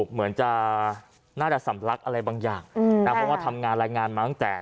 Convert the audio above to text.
เหมือนจะน่าจะสำลักอะไรบางอย่างนะเพราะว่าทำงานรายงานมาตั้งแต่